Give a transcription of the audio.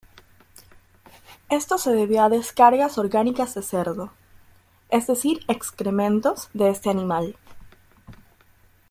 Esto se debió a descargas orgánicas de cerdo, es decir excrementos de este animal.